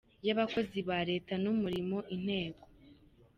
y’Abakozi ba Leta n’Umurimo, Inteko.